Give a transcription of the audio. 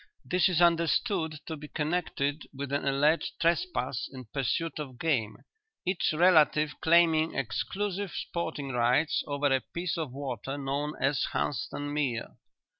This is understood to be connected with an alleged trespass in pursuit of game, each relative claiming exclusive sporting rights over a piece of water known as Hunstan Mere.